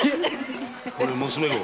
これ娘御。